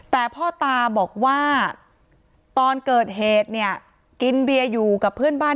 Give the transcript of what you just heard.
แต่พ่อตาบอกว่าตอนเกิดเหตุเนี่ยกินเบียร์อยู่กับเพื่อนบ้าน